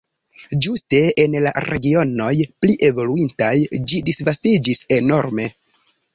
Ĝuste en la regionoj pli evoluintaj ĝi disvastiĝis enorme.